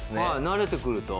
慣れてくると。